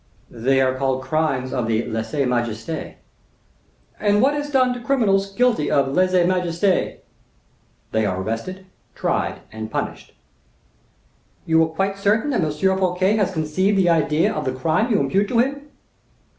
"They are called crimes of lese majeste." "And what is done to criminals guilty of lese majeste?" "They are arrested, tried, and punished." "You are quite certain that M. Fouquet has conceived the idea of the crime you impute to him?"